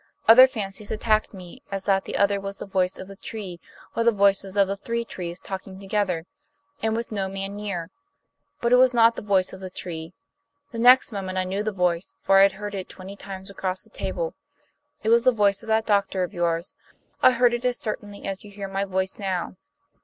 Other fancies attacked me, as that the other was the voice of the tree or the voices of the three trees talking together, and with no man near. But it was not the voice of the tree. The next moment I knew the voice, for I had heard it twenty times across the table. It was the voice of that doctor of yours; I heard it as certainly as you hear my voice now."